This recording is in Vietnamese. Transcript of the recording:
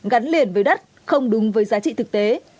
gắn liền với đất không đúng với giá trị thực tế